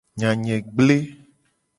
Nya nye gble.